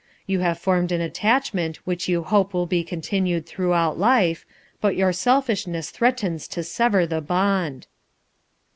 You have formed an attachment which you hope will be continued throughout life, but your selfishness threatens to sever the bond."